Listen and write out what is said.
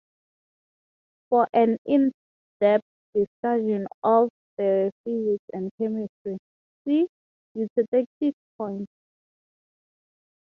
For an in depth discussion of the physics and chemistry, see eutectic point.